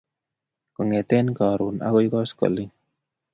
Kong'etee katon akoi koskoleny.